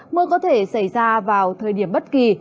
mưa có thể xảy ra vào thời điểm bất kỳ